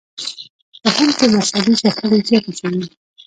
په هند کې مذهبي شخړې زیاتې شوې.